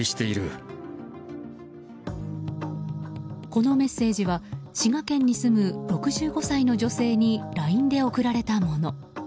このメッセージは滋賀県に住む６５歳の女性にＬＩＮＥで送られたもの。